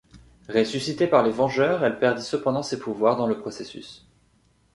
Ressuscitée par les Vengeurs, elle perdit cependant ses pouvoirs dans le processus.